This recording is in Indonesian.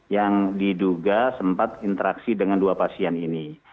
yang diduga sempat interaksi dengan dua pasien ini